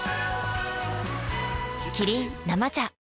キリン「生茶」